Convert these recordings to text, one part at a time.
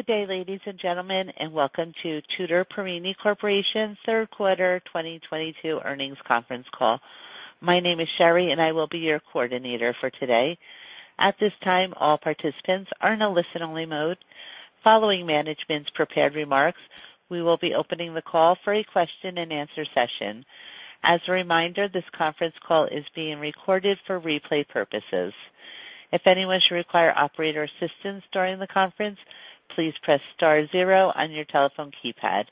Good day, ladies and gentlemen, and welcome to Tutor Perini Corporation 3rd quarter 2022 earnings conference call. My name is Sherry, and I will be your coordinator for today. At this time, all participants are in a listen-only mode. Following management's prepared remarks, we will be opening the call for a question-and-answer session. As a reminder, this conference call is being recorded for replay purposes. If anyone should require operator assistance during the conference, please press star 0 on your telephone keypad.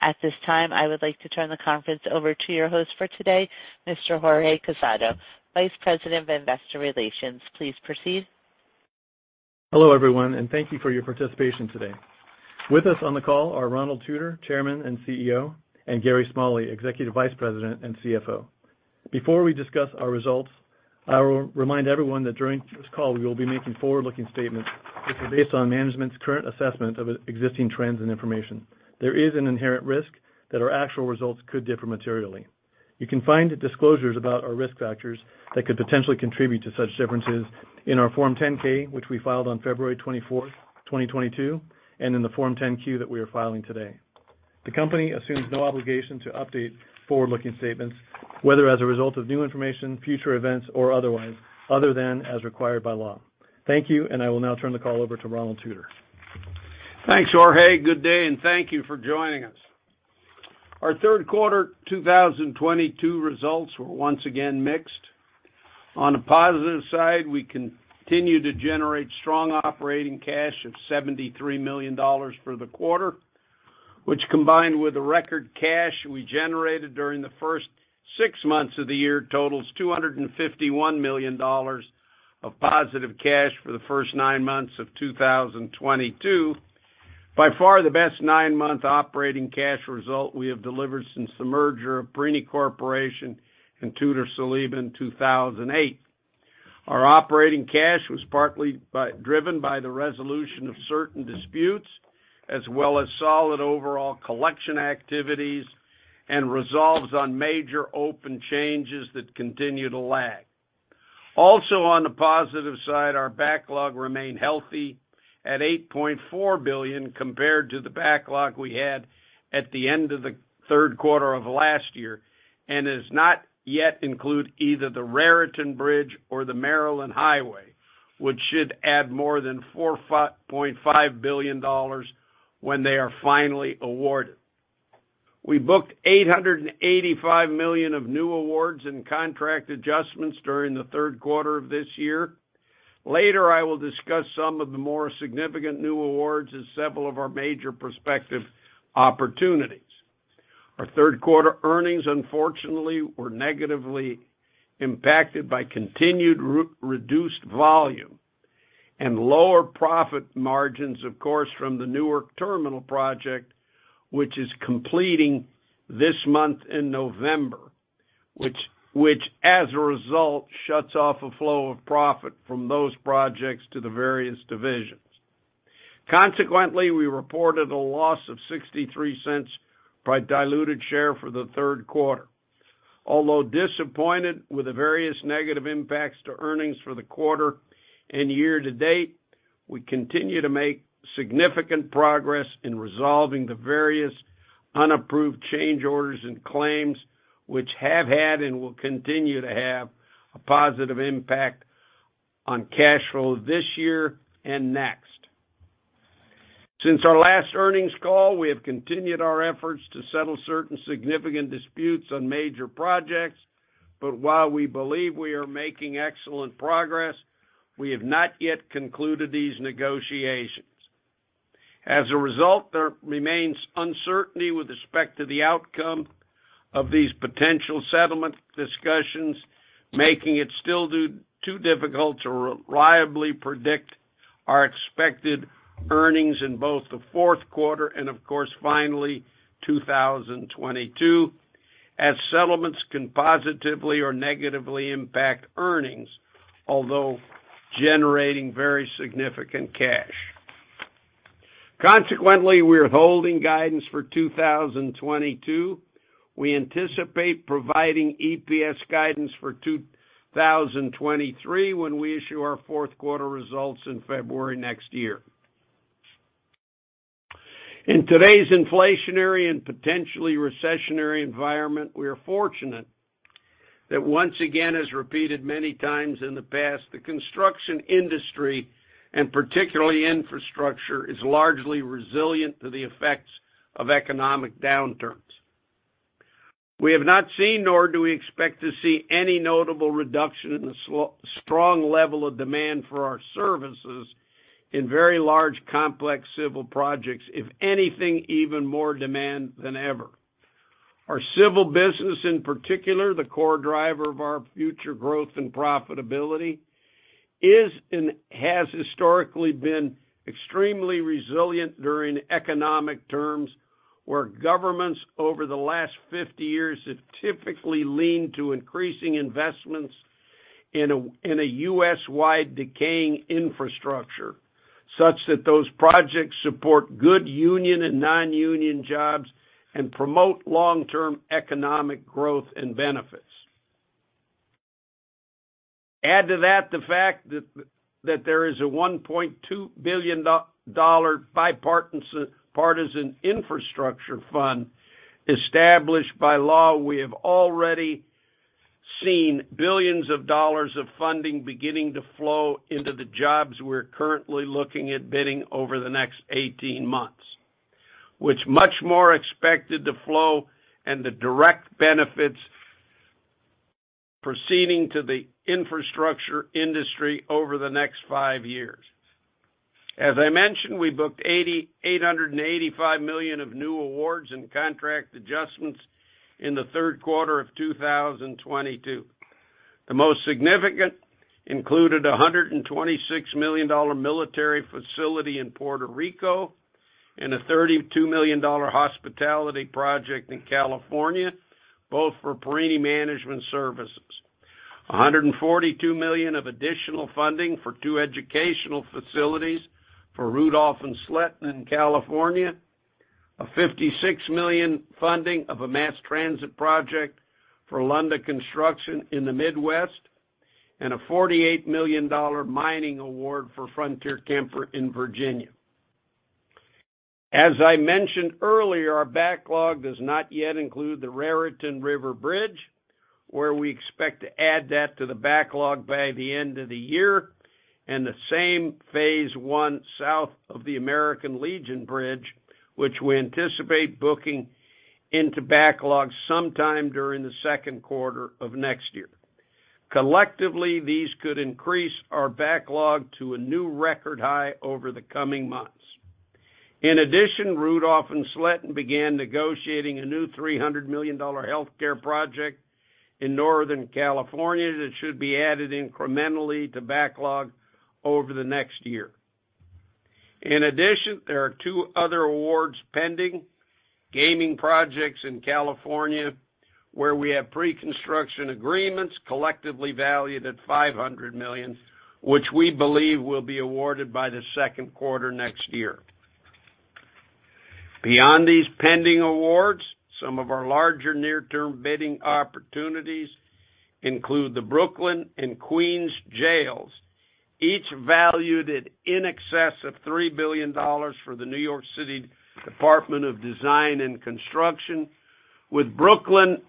At this time, I would like to turn the conference over to your host for today, Mr. Jorge Casado, Vice President of Investor Relations. Please proceed. Hello, everyone, and thank you for your participation today. With us on the call are Ronald Tutor, Chairman and CEO, and Gary Smalley, Executive Vice President and CFO. Before we discuss our results, I will remind everyone that during this call, we will be making forward-looking statements which are based on management's current assessment of existing trends and information. There is an inherent risk that our actual results could differ materially. You can find disclosures about our risk factors that could potentially contribute to such differences in our Form 10-K, which we filed on February 24th, 2022, and in the Form 10-Q that we are filing today. The company assumes no obligation to update forward-looking statements, whether as a result of new information, future events, or otherwise, other than as required by law. Thank you, and I will now turn the call over to Ronald Tutor. Thanks, Jorge. Good day, and thank you for joining us. Our 3rd quarter 2022 results were once again mixed. On a positive side, we continued to generate strong operating cash of $73 million for the quarter, which combined with the record cash we generated during the first 6 months of the year totals $251 million of positive cash for the first nine months of 2022. By far the best nine-month operating cash result we have delivered since the merger of Perini Corporation and Tutor-Saliba in 2008. Our operating cash was partly driven by the resolution of certain disputes, as well as solid overall collection activities and resolutions on major open changes that continue to lag. Also, on the positive side, our backlog remained healthy at $8.4 billion compared to the backlog we had at the end of the 3rd quarter of last year, and does not yet include either the Raritan Bridge or the Maryland Highway, which should add more than $4.5 billion when they are finally awarded. We booked $885 million of new awards and contract adjustments during the 3rd quarter of this year. Later, I will discuss some of the more significant new awards and several of our major prospective opportunities. Our 3rd quarter earnings, unfortunately, were negatively impacted by continued reduced volume and lower profit margins, of course, from the Newark Terminal Project, which is completing this month in November, which as a result shuts off a flow of profit from those projects to the various divisions. Consequently, we reported a loss of $0.63 per diluted share for the 3rd quarter. Although disappointed with the various negative impacts to earnings for the quarter and year to date, we continue to make significant progress in resolving the various unapproved change orders and claims which have had and will continue to have a positive impact on cash flow this year and next. Since our last earnings call, we have continued our efforts to settle certain significant disputes on major projects. While we believe we are making excellent progress, we have not yet concluded these negotiations. As a result, there remains uncertainty with respect to the outcome of these potential settlement discussions, making it still too difficult to reliably predict our expected earnings in both the 4th quarter and of course, finally 2022, as settlements can positively or negatively impact earnings, although generating very significant cash. Consequently, we're holding guidance for 2022. We anticipate providing EPS guidance for 2023 when we issue our 4th quarter results in February next year. In today's inflationary and potentially recessionary environment, we are fortunate that once again, as repeated many times in the past, the construction industry, and particularly infrastructure, is largely resilient to the effects of economic downturns. We have not seen, nor do we expect to see any notable reduction in the strong level of demand for our services in very large, complex civil projects. If anything, even more demand than ever. Our civil business, in particular, the core driver of our future growth and profitability, is and has historically been extremely resilient during economic times where governments over the last 50 years have typically leaned to increasing investments in a U.S.-wide decaying infrastructure, such that those projects support good union and non-union jobs and promote long-term economic growth and benefits. Add to that the fact that there is a $1.2 billion-dollar bipartisan infrastructure fund established by law. We have already seen billions of dollars of funding beginning to flow into the jobs we're currently looking at bidding over the next 18 months. With much more expected to flow and the direct benefits proceeding to the infrastructure industry over the next 5 years. As I mentioned, we booked $885 million of new awards and contract adjustments in the 3rd quarter of 2022. The most significant included a $126 million military facility in Puerto Rico and a $32 million hospitality project in California, both for Perini Management Services. A $142 million of additional funding for two educational facilities for Rudolph and Sletten in California. A $56 million funding of a mass transit project for Lunda Construction in the Midwest, and a $48 million mining award for Frontier-Kemper in Virginia. As I mentioned earlier, our backlog does not yet include the Raritan River Bridge, where we expect to add that to the backlog by the end of the year. The same phase one south of the American Legion Bridge, which we anticipate booking into backlog sometime during the 2nd quarter of next year. Collectively, these could increase our backlog to a new record high over the coming months. In addition, Rudolph and Sletten began negotiating a new $300 million healthcare project in Northern California that should be added incrementally to backlog over the next year. In addition, there are 2 other awards pending. Gaming projects in California, where we have pre-construction agreements collectively valued at $500 million, which we believe will be awarded by the 2nd quarter next year. Beyond these pending awards, some of our larger near-term bidding opportunities include the Brooklyn and Queens jails, each valued at in excess of $3 billion for the New York City Department of Design and Construction, with Brooklyn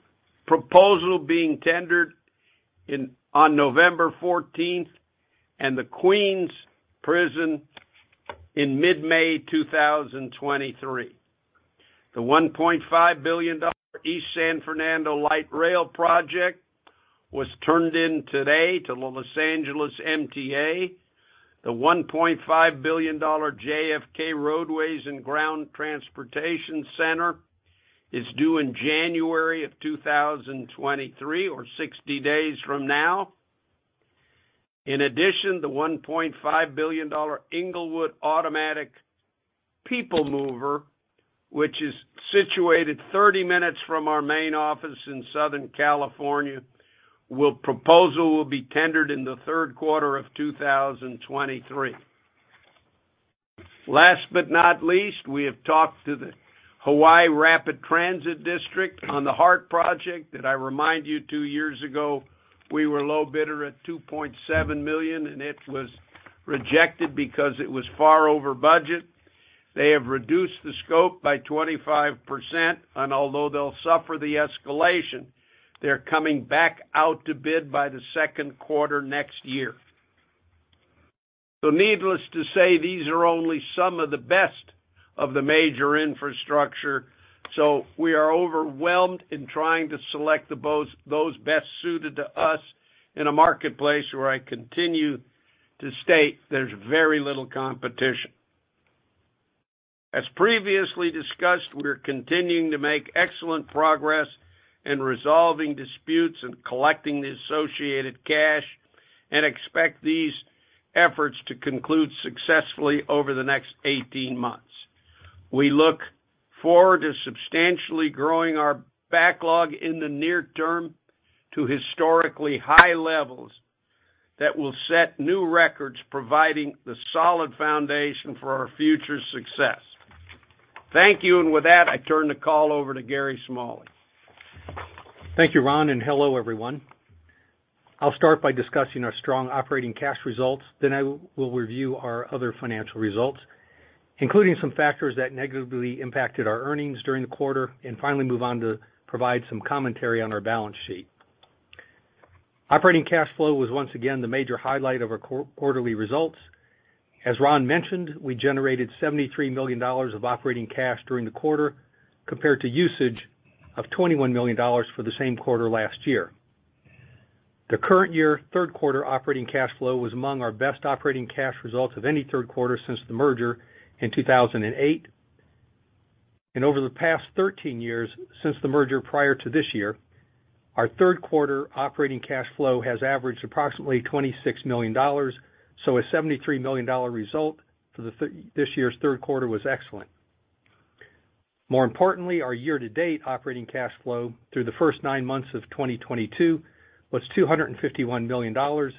proposal being tendered on November fourteenth and the Queens prison in mid-May 2023. The $1.5 billion East San Fernando Light Rail project was turned in today to the Los Angeles MTA. The $1.5 billion JFK Roadways and Ground Transportation Center is due in January 2023 or 60 days from now. In addition, the $1.5 billion Inglewood Automatic People Mover, which is situated 30 minutes from our main office in Southern California, proposal will be tendered in the 3rd quarter of 2023. Last but not least, we have talked to the Honolulu Authority for Rapid Transportation on the HART project. I remind you 2 years ago we were low bidder at $2.7 million, and it was rejected because it was far over budget. They have reduced the scope by 25%, and although they'll suffer the escalation, they're coming back out to bid by the 2nd quarter next year. Needless to say, these are only some of the best of the major infrastructure. We are overwhelmed in trying to select those best suited to us in a marketplace where I continue to state there's very little competition. As previously discussed, we're continuing to make excellent progress in resolving disputes and collecting the associated cash and expect these efforts to conclude successfully over the next 18 months. We look forward to substantially growing our backlog in the near term to historically high levels that will set new records, providing the solid foundation for our future success. Thank you. With that, I turn the call over to Gary Smalley. Thank you, Ron, and hello, everyone. I'll start by discussing our strong operating cash results. Then I will review our other financial results, including some factors that negatively impacted our earnings during the quarter, and finally move on to provide some commentary on our balance sheet. Operating cash flow was once again the major highlight of our quarterly results. As Ron mentioned, we generated $73 million of operating cash during the quarter, compared to usage of $21 million for the same quarter last year. The current year 3rd quarter operating cash flow was among our best operating cash results of any 3rd quarter since the merger in 2008. Over the past 13 years since the merger prior to this year, our 3rd quarter operating cash flow has averaged approximately $26 million. A $73 million result for this year's 3rd quarter was excellent. More importantly, our year-to-date operating cash flow through the first 9 months of 2022 was $251 million,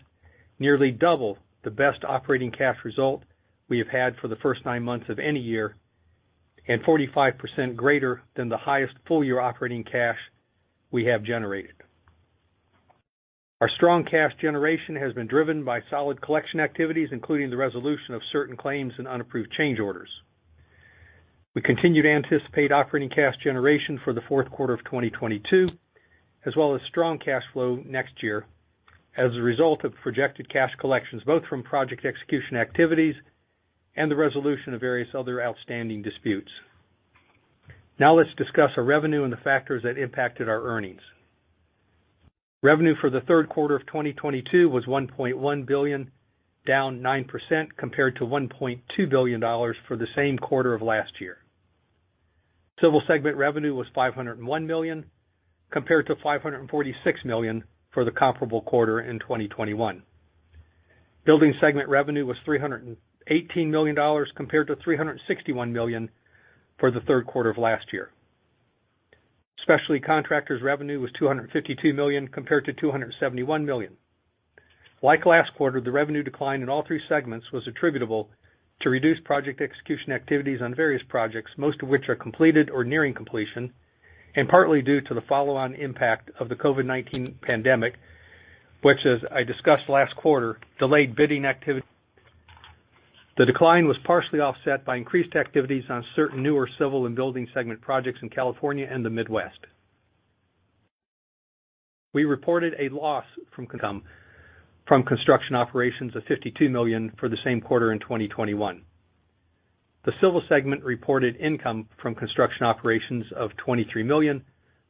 nearly double the best operating cash result we have had for the first 9 months of any year. 45% percent greater than the highest full-year operating cash we have generated. Our strong cash generation has been driven by solid collection activities, including the resolution of certain claims and unapproved change orders. We continue to anticipate operating cash generation for the 4th quarter of 2022, as well as strong cash flow next year as a result of projected cash collections, both from project execution activities and the resolution of various other outstanding disputes. Now let's discuss our revenue and the factors that impacted our earnings. Revenue for the 3rd quarter of 2022 was $1.1 billion, down 9% compared to $1.2 billion for the same quarter of last year. Civil segment revenue was $501 million, compared to $546 million for the comparable quarter in 2021. Building segment revenue was $318 million compared to $361 million for the 3rd quarter of last year. Specialty contractors' revenue was $252 million compared to $271 million. Like last quarter, the revenue decline in all three segments was attributable to reduced project execution activities on various projects, most of which are completed or nearing completion, and partly due to the follow-on impact of the COVID-19 pandemic, which, as I discussed last quarter, delayed bidding activity. The decline was partially offset by increased activities on certain newer civil and building segment projects in California and the Midwest. We reported a loss from income from construction operations of $52 million for the same quarter in 2021. The civil segment reported income from construction operations of $23 million.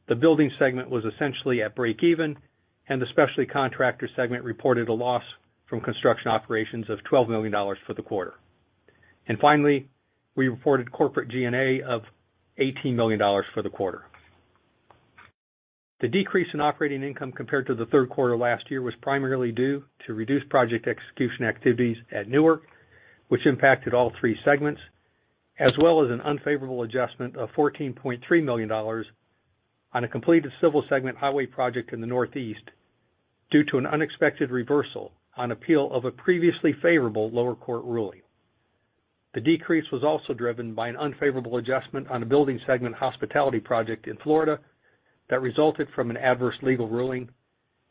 The building segment was essentially at breakeven, and the specialty contractor segment reported a loss from construction operations of $12 million for the quarter. Finally, we reported corporate G&A of $18 million for the quarter. The decrease in operating income compared to the 3rd quarter last year was primarily due to reduced project execution activities at Newark, which impacted all three segments, as well as an unfavorable adjustment of $14.3 million on a completed civil segment highway project in the Northeast due to an unexpected reversal on appeal of a previously favorable lower court ruling. The decrease was also driven by an unfavorable adjustment on a building segment hospitality project in Florida that resulted from an adverse legal ruling,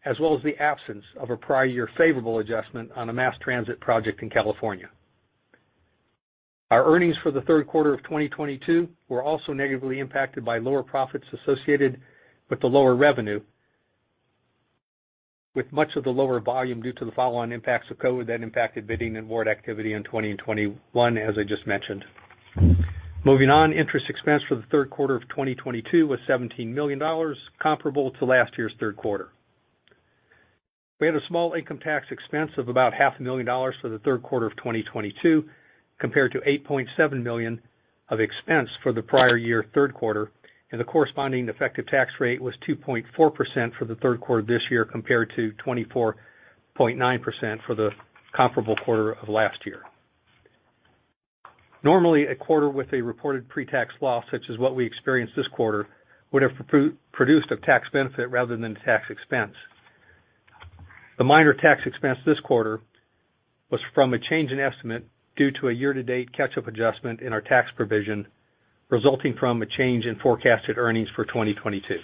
as well as the absence of a prior year favorable adjustment on a mass transit project in California. Our earnings for the 3rd quarter of 2022 were also negatively impacted by lower profits associated with the lower revenue, with much of the lower volume due to the follow-on impacts of COVID that impacted bidding and award activity in 2021, as I just mentioned. Moving on. Interest expense for the 3rd quarter of 2022 was $17 million, comparable to last year's 3rd quarter. We had a small income tax expense of about half a million dollars for the 3rd quarter of 2022, compared to $8.7 million of expense for the prior year 3rd quarter, and the corresponding effective tax rate was 2.4% for the 3rd quarter this year, compared to 24.9% for the comparable quarter of last year. Normally, a quarter with a reported pre-tax loss, such as what we experienced this quarter, would have produced a tax benefit rather than tax expense. The minor tax expense this quarter was from a change in estimate due to a year-to-date catch-up adjustment in our tax provision, resulting from a change in forecasted earnings for 2022.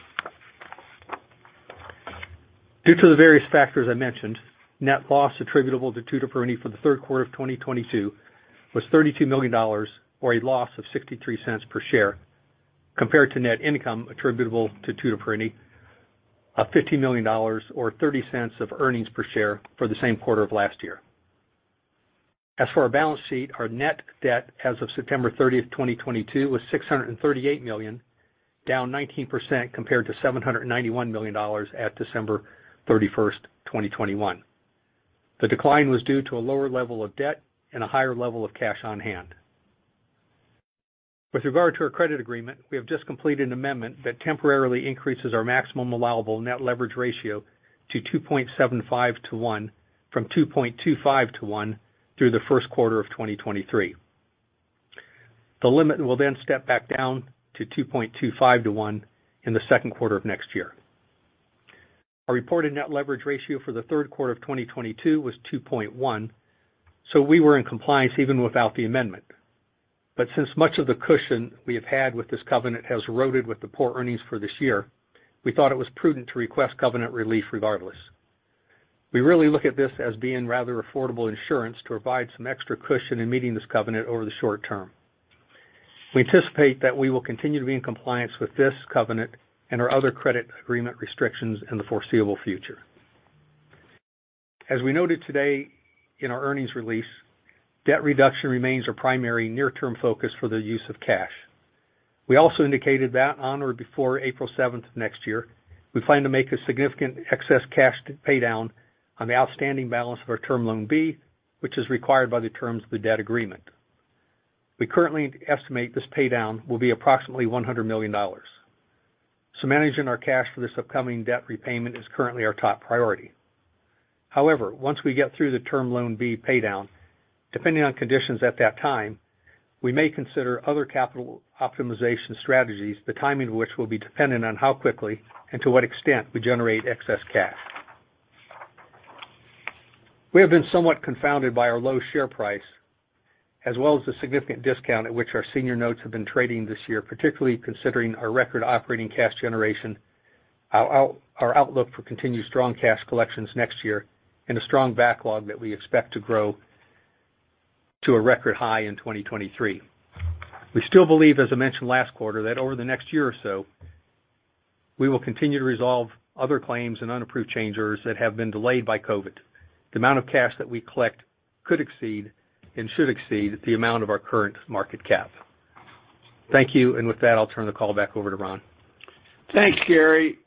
Due to the various factors I mentioned, net loss attributable to Tutor Perini for the 3rd quarter of 2022 was $32 million or a loss of $0.63 per share, compared to net income attributable to Tutor Perini of $50 million or 30 cents of earnings per share for the same quarter of last year. As for our balance sheet, our net debt as of September 30, 2022 was $638 million, down 19% compared to $791 million at December 31, 2021. The decline was due to a lower level of debt and a higher level of cash on hand. With regard to our credit agreement, we have just completed an amendment that temporarily increases our maximum allowable net leverage ratio to 2.75 to 1 from 2.25 to 1 through the first quarter of 2023. The limit will then step back down to 2.25 to 1 in the 2nd quarter of next year. Our reported net leverage ratio for the 3rd quarter of 2022 was 2.1, so we were in compliance even without the amendment. Since much of the cushion we have had with this covenant has eroded with the poor earnings for this year, we thought it was prudent to request covenant relief regardless. We really look at this as being rather affordable insurance to provide some extra cushion in meeting this covenant over the short term. We anticipate that we will continue to be in compliance with this covenant and our other credit agreement restrictions in the foreseeable future. As we noted today in our earnings release, debt reduction remains our primary near-term focus for the use of cash. We also indicated that on or before April seventh next year, we plan to make a significant excess cash paydown on the outstanding balance of our Term Loan B, which is required by the terms of the debt agreement. We currently estimate this paydown will be approximately $100 million. Managing our cash for this upcoming debt repayment is currently our top priority. However, once we get through the Term Loan B paydown, depending on conditions at that time, we may consider other capital optimization strategies, the timing of which will be dependent on how quickly and to what extent we generate excess cash. We have been somewhat confounded by our low share price, as well as the significant discount at which our senior notes have been trading this year, particularly considering our record operating cash generation, our outlook for continued strong cash collections next year, and a strong backlog that we expect to grow to a record high in 2023. We still believe, as I mentioned last quarter, that over the next year or so, we will continue to resolve other claims and unapproved change orders that have been delayed by COVID. The amount of cash that we collect could exceed and should exceed the amount of our current market cap. Thank you. With that, I'll turn the call back over to Ron. Thanks, Gary.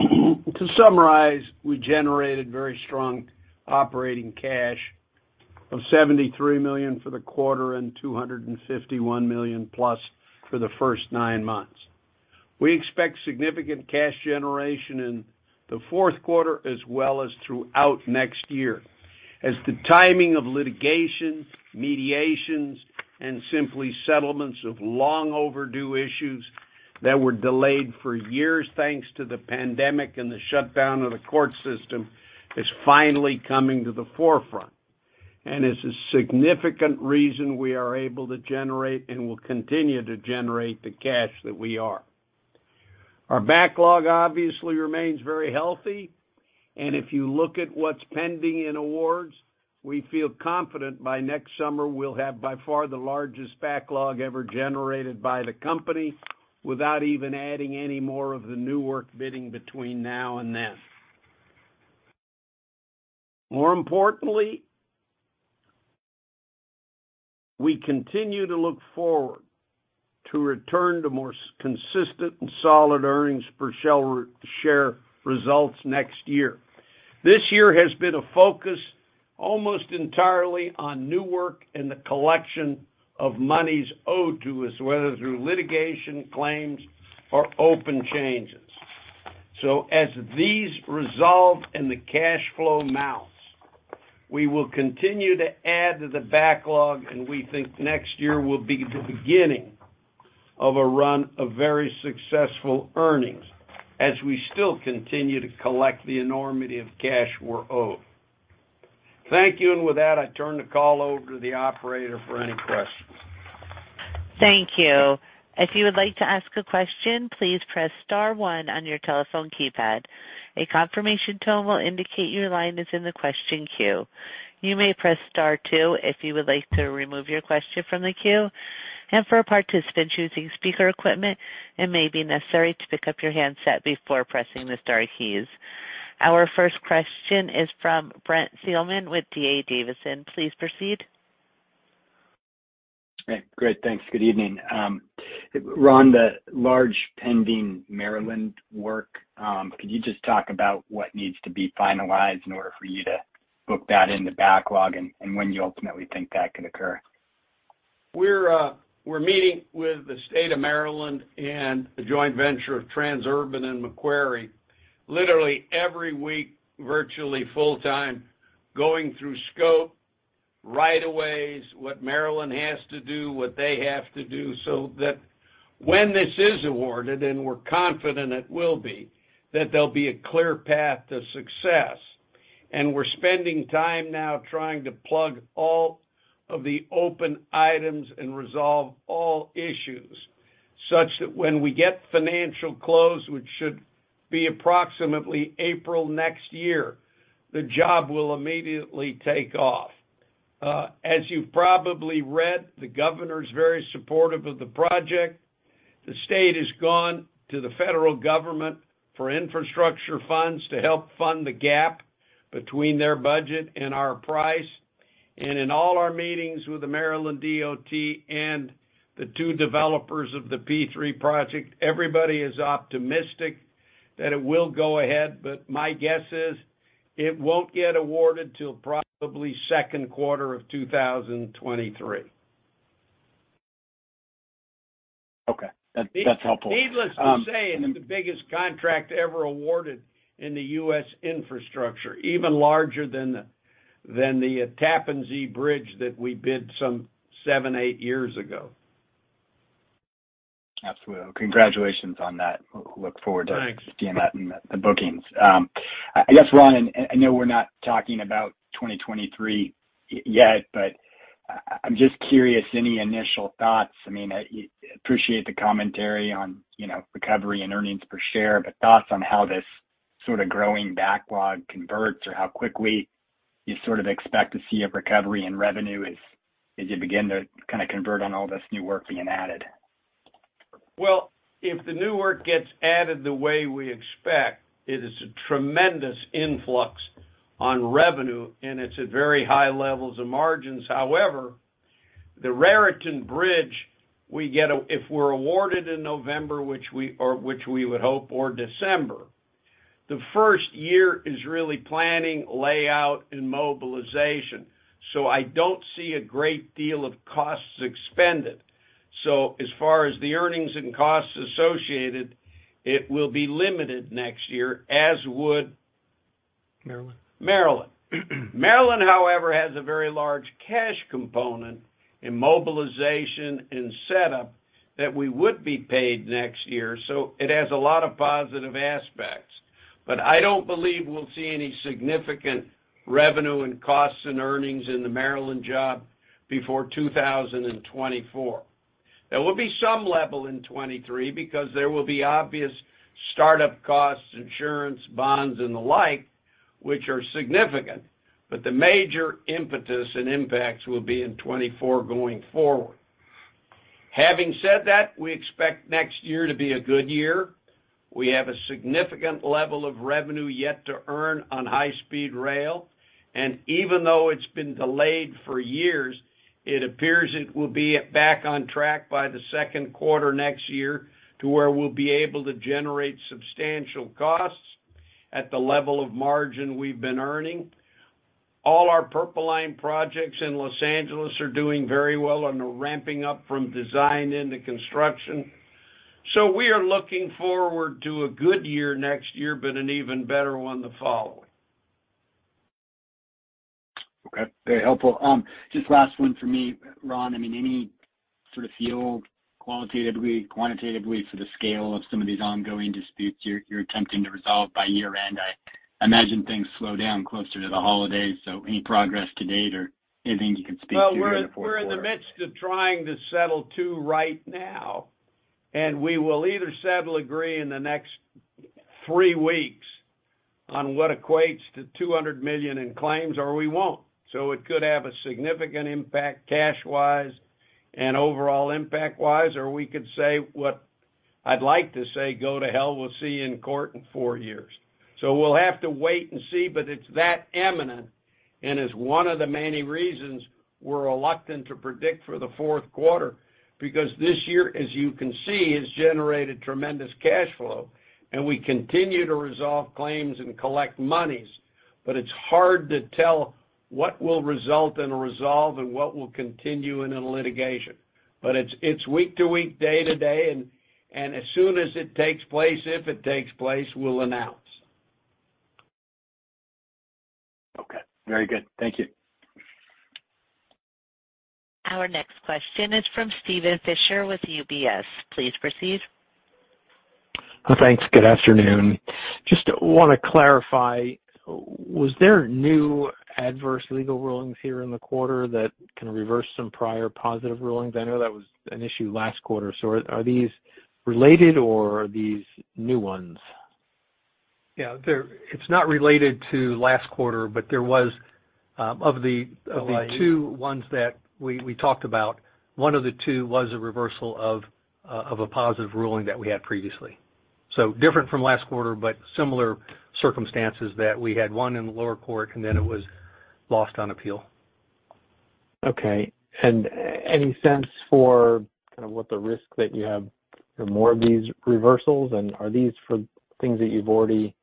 To summarize, we generated very strong operating cash of $73 million for the quarter and $251 million-plus for the first nine months. We expect significant cash generation in the 4th quarter as well as throughout next year as the timing of litigation, mediations, and simply settlements of long overdue issues that were delayed for years, thanks to the pandemic and the shutdown of the court system, is finally coming to the forefront. It's a significant reason we are able to generate and will continue to generate the cash that we are. Our backlog obviously remains very healthy. If you look at what's pending in awards, we feel confident by next summer, we'll have by far the largest backlog ever generated by the company without even adding any more of the new work bidding between now and then. More importantly, we continue to look forward to return to more consistent and solid earnings per share results next year. This year has been a focus almost entirely on new work and the collection of monies owed to us, whether through litigation claims or open changes. As these resolve and the cash flow mounts, we will continue to add to the backlog, and we think next year will be the beginning of a run of very successful earnings as we still continue to collect the enormity of cash we're owed. Thank you. With that, I turn the call over to the operator for any questions. Thank you. If you would like to ask a question, please press star 1 on your telephone keypad. A confirmation tone will indicate your line is in the question queue. You may press star 2 if you would like to remove your question from the queue. For a participant choosing speaker equipment, it may be necessary to pick up your handset before pressing the star keys. Our first question is from Brent Thielman with D.A. Davidson. Please proceed. Great. Thanks. Good evening. Ron, the large pending Maryland work, could you just talk about what needs to be finalized in order for you to book that in the backlog and when you ultimately think that could occur? We're meeting with the state of Maryland and the joint venture of Transurban and Macquarie literally every week, virtually full-time, going through scope, rights of way, what Maryland has to do, what they have to do, so that when this is awarded, and we're confident it will be, that there'll be a clear path to success. We're spending time now trying to plug all of the open items and resolve all issues, such that when we get financial close, which should be approximately April next year, the job will immediately take off. As you've probably read, the governor is very supportive of the project. The state has gone to the federal government for infrastructure funds to help fund the gap between their budget and our price. In all our meetings with the MDOT and the 2 developers of the P3 project, everybody is optimistic that it will go ahead, but my guess is it won't get awarded till probably 2nd quarter of 2023. Okay. That's helpful. Needless to say, it's the biggest contract ever awarded in the U.S. infrastructure, even larger than the Tappan Zee Bridge that we bid some 7, 8 years ago. Absolutely. Congratulations on that. Look forward to. Thanks. Seeing that in the bookings. I guess, Ron, I know we're not talking about 2023 yet, but I'm just curious, any initial thoughts? I mean, I appreciate the commentary on, you know, recovery and earnings per share, but thoughts on how this sort of growing backlog converts or how quickly you sort of expect to see a recovery in revenue as you begin to kinda convert on all this new work being added. Well, if the new work gets added the way we expect, it is a tremendous influx on revenue, and it's at very high levels of margins. However, the Raritan River Bridge, if we're awarded in November, which we would hope, or December, the first year is really planning, layout, and mobilization. I don't see a great deal of costs expended. As far as the earnings and costs associated, it will be limited next year, as would. Maryland. Maryland. Maryland, however, has a very large cash component in mobilization and setup. That we would be paid next year, so it has a lot of positive aspects. I don't believe we'll see any significant revenue and costs and earnings in the Maryland job before 2024. There will be some level in 2023 because there will be obvious startup costs, insurance, bonds, and the like, which are significant, but the major impetus and impacts will be in 2024 going forward. Having said that, we expect next year to be a good year. We have a significant level of revenue yet to earn on high-speed rail, and even though it's been delayed for years, it appears it will be back on track by the 2nd quarter next year to where we'll be able to generate substantial costs at the level of margin we've been earning. All our Purple Line projects in Los Angeles are doing very well and are ramping up from design into construction. We are looking forward to a good year next year, but an even better one the following. Okay, very helpful. Just last one for me, Ron. I mean, any sort of feel qualitatively, quantitatively for the scale of some of these ongoing disputes you're attempting to resolve by year-end? I imagine things slow down closer to the holidays, so any progress to date or anything you can speak to in the 4th quarter? Well, we're in the midst of trying to settle 2 right now, and we will either settle, agree in the next 3 weeks on what equates to $200 million in claims or we won't. It could have a significant impact cash-wise and overall impact-wise, or we could say what I'd like to say, "Go to hell, we'll see you in court in four years." We'll have to wait and see, but it's that imminent, and it's one of the many reasons we're reluctant to predict for the 4th quarter. Because this year, as you can see, has generated tremendous cash flow, and we continue to resolve claims and collect monies. It's hard to tell what will result in a resolve and what will continue in a litigation. It's week to week, day to day, and as soon as it takes place, if it takes place, we'll announce. Okay. Very good. Thank you. Our next question is from Steven Fisher with UBS. Please proceed. Thanks. Good afternoon. Just wanna clarify, was there new adverse legal rulings here in the quarter that can reverse some prior positive rulings? I know that was an issue last quarter. Are these related or are these new ones? It's not related to last quarter, but there was of the. Oh, I see. Of the two ones that we talked about, one of the two was a reversal of a positive ruling that we had previously. Different from last quarter, but similar circumstances that we had one in the lower court, and then it was lost on appeal. Okay. Any sense for kind of what the risk that you have for more of these reversals? Are these for things that you've already,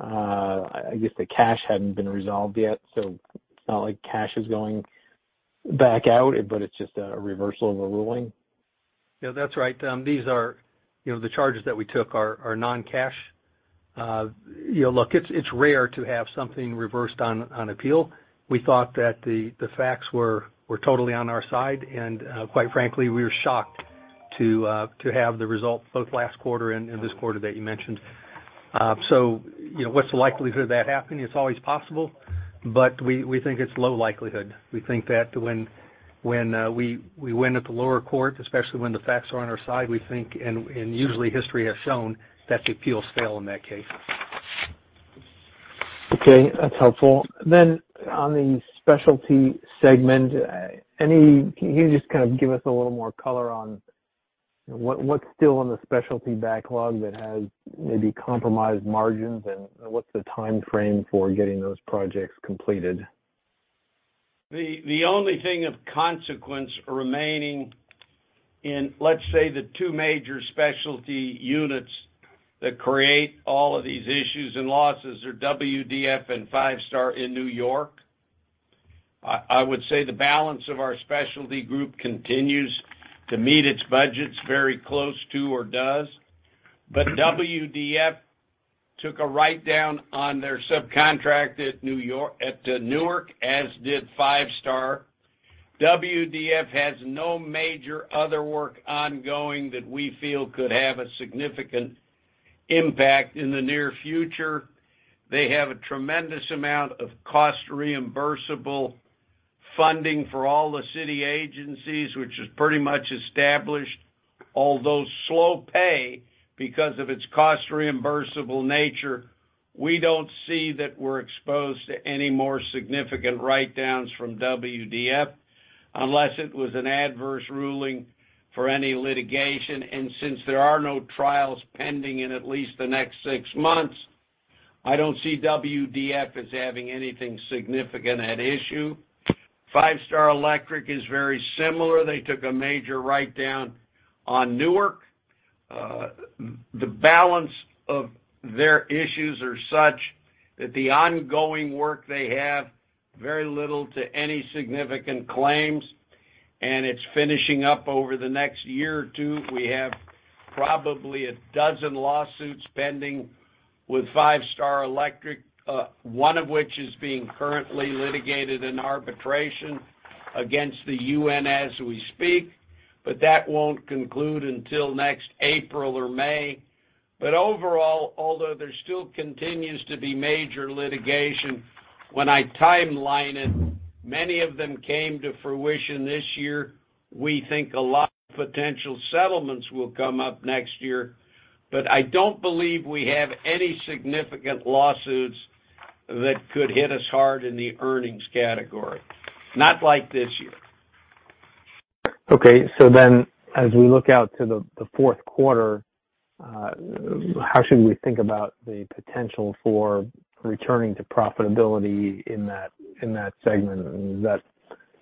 I guess, the cash hadn't been resolved yet, so it's not like cash is going back out, but it's just a reversal of a ruling. Yeah, that's right. These are, you know, the charges that we took are non-cash. You know, look, it's rare to have something reversed on appeal. We thought that the facts were totally on our side. Quite frankly, we were shocked to have the result both last quarter and this quarter that you mentioned. You know, what's the likelihood of that happening? It's always possible, but we think it's low likelihood. We think that when we win at the lower court, especially when the facts are on our side, we think and usually history has shown that appeals fail in that case. Okay, that's helpful. On the specialty segment, can you just kind of give us a little more color on what's still in the specialty backlog that has maybe compromised margins, and what's the timeframe for getting those projects completed? The only thing of consequence remaining in, let's say, the two major specialty units that create all of these issues and losses are WDF and Five Star Electric in New York. I would say the balance of our specialty group continues to meet its budgets very close to or does. WDF took a write-down on their subcontract at Newark, as did Five Star Electric. WDF has no major other work ongoing that we feel could have a significant impact in the near future. They have a tremendous amount of cost reimbursable funding for all the city agencies, which is pretty much established. Although slow pay because of its cost reimbursable nature, we don't see that we're exposed to any more significant write-downs from WDF unless it was an adverse ruling for any litigation. Since there are no trials pending in at least the next 6 months, I don't see WDF as having anything significant at issue. Five Star Electric is very similar. They took a major write-down on Newark. The balance of their issues are such that the ongoing work they have very little to any significant claims, and it's finishing up over the next year or 2. We have probably a dozen lawsuits pending with Five Star Electric, one of which is being currently litigated in arbitration against the UN as we speak, but that won't conclude until next April or May. Overall, although there still continues to be major litigation, when I timeline it, many of them came to fruition this year. We think a lot of potential settlements will come up next year. I don't believe we have any significant lawsuits that could hit us hard in the earnings category. Not like this year. As we look out to the 4th quarter, how should we think about the potential for returning to profitability in that segment?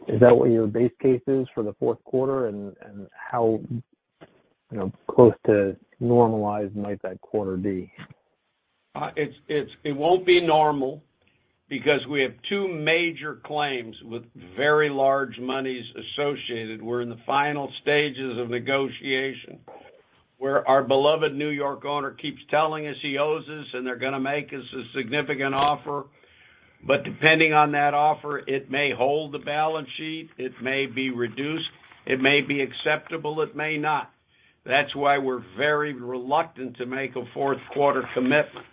Is that what your base case is for the 4th quarter and how, you know, close to normalized might that quarter be? It won't be normal because we have two major claims with very large monies associated. We're in the final stages of negotiation, where our beloved New York owner keeps telling us he owes us, and they're gonna make us a significant offer. Depending on that offer, it may hold the balance sheet, it may be reduced, it may be acceptable, it may not. That's why we're very reluctant to make a 4th quarter commitment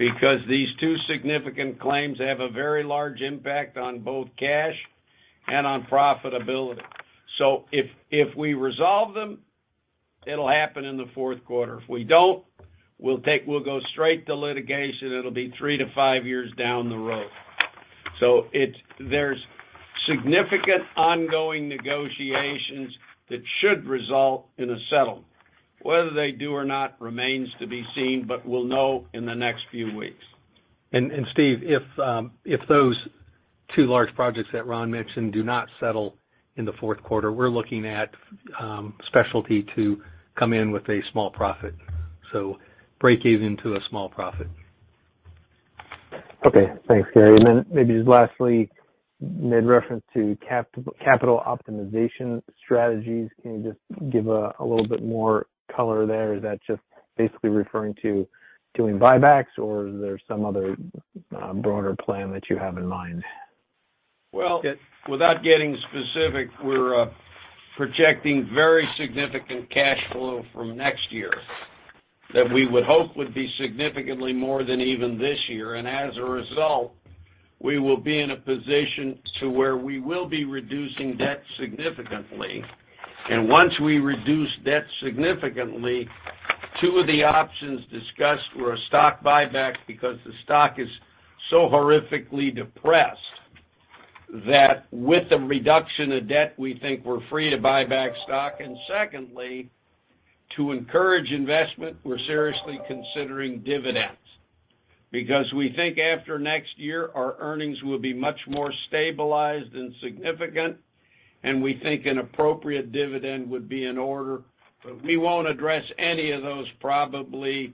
because these 2 significant claims have a very large impact on both cash and on profitability. If we resolve them, it'll happen in the 4th quarter. If we don't, we'll go straight to litigation, it'll be three to five years down the road. There's significant ongoing negotiations that should result in a settlement. Whether they do or not remains to be seen, but we'll know in the next few weeks. Steve, if those two large projects that Ron mentioned do not settle in the 4th quarter, we're looking at specialty to come in with a small profit. Breakeven to a small profit. Okay. Thanks, Gary. Maybe just lastly, made reference to capital optimization strategies. Can you just give a little bit more color there? Is that just basically referring to doing buybacks, or is there some other broader plan that you have in mind? Well, without getting specific, we're projecting very significant cash flow from next year that we would hope would be significantly more than even this year. As a result, we will be in a position to where we will be reducing debt significantly. Once we reduce debt significantly, two of the options discussed were a stock buyback because the stock is so horrifically depressed that with the reduction of debt, we think we're free to buy back stock. Secondly, to encourage investment, we're seriously considering dividends. Because we think after next year, our earnings will be much more stabilized and significant, and we think an appropriate dividend would be in order. We won't address any of those probably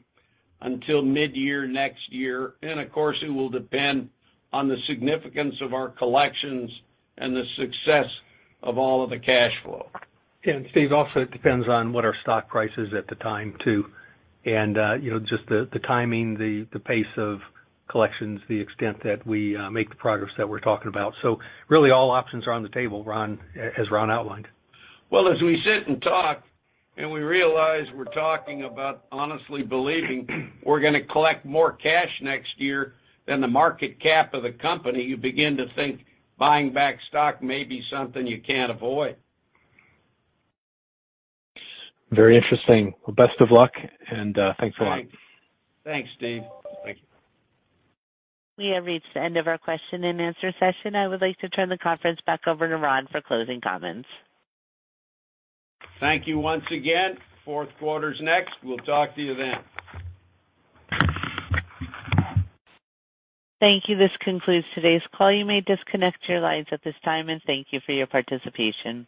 until midyear next year. Of course, it will depend on the significance of our collections and the success of all of the cash flow. Steven, also it depends on what our stock price is at the time, too. You know, just the timing, the pace of collections, the extent that we make the progress that we're talking about. Really all options are on the table, Ron, as Ron outlined. Well, as we sit and talk and we realize we're talking about honestly believing we're gonna collect more cash next year than the market cap of the company, you begin to think buying back stock may be something you can't avoid. Very interesting. Well, best of luck and, thanks a lot. Thanks. Thanks, Steven. Thank you. We have reached the end of our question-and-answer session. I would like to turn the conference back over to Ron for closing comments. Thank you once again. 4th quarter's next. We'll talk to you then. Thank you. This concludes today's call. You may disconnect your lines at this time, and thank you for your participation.